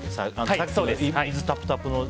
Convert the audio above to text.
さっき、水タプタプの時。